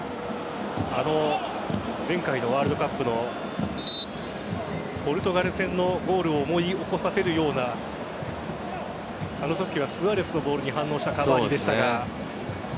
前回のワールドカップのポルトガル戦のゴールを思い起こさせるようなあのときはスアレスのボールに反応したカヴァーニでしたが。